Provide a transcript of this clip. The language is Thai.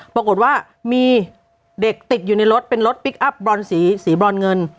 ปรากฏว่ามีเด็กติดอยู่ในรถเป็นรถพลิกอัพบรอนสีบรอนเงิน